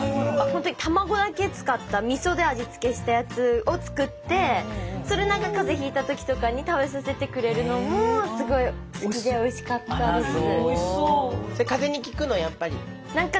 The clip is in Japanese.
卵だけ使った味で味付けしたやつを作ってそれなんかカゼひいたときとかに食べさせてくれるのもすごい好きでおいしかったです。